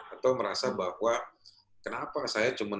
atau merasa bahwa kenapa saya cuma